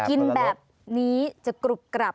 กินแบบนี้จะกรุบกรับ